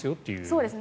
そうです。